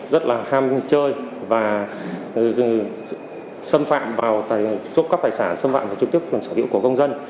rất là ham chơi và xâm phạm vào giúp các tài sản xâm phạm vào trực tiếp và sở hữu của công dân